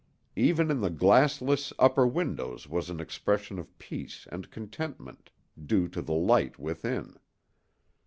Even in the glassless upper windows was an expression of peace and contentment, due to the light within.